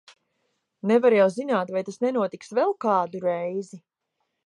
Nevar jau zināt, vai tas nenotiks vēl kādu reizi!